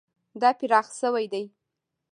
دا پراخ شوی دی.